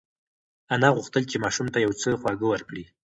انا غوښتل چې ماشوم ته یو څه خواږه ورکړي.